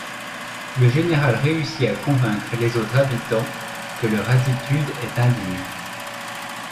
Le général réussit à convaincre les autres habitants que leur attitude est indigne.